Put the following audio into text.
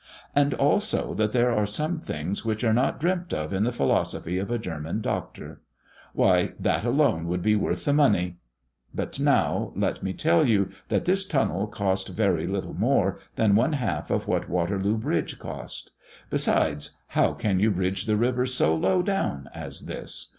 "And also that there are some things which are not dreamt of in the philosophy of a German Doctor. Why, that alone would be worth the money! But now, let me tell you that this tunnel cost very little more than one half of what Waterloo bridge cost. Besides, how can you bridge the river so low down as this?